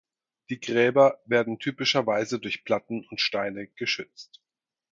Die Gräber werden typischerweise durch Platten und Steine geschützt.